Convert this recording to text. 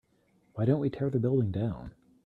why don't we tear the building down?